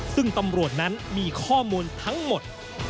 ซึ่งตำรวจนั้นมีข้อมูลทั้งหมด